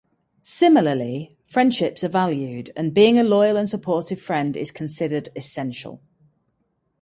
Similarly, friendships are valued, and being a loyal and supportive friend is considered essential.